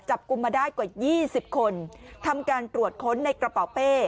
กุมมาได้กว่า๒๐คนทำการตรวจค้นในกระเป๋าเป้